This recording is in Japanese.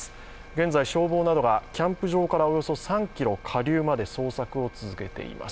現在、消防などがキャンプ場からおよそ３ｋｍ下流まで捜索を続けています。